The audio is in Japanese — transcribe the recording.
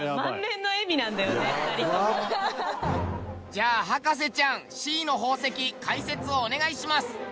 じゃあ博士ちゃんＣの宝石解説をお願いします。